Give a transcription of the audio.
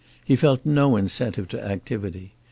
He felt no incentive to activity.